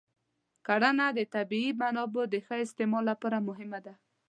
کرنه د طبیعي منابعو د ښه استعمال لپاره مهمه ده.